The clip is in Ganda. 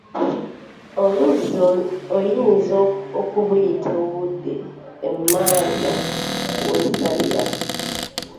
Oluusi oyinza okubuyita obudde emmambya weesalira.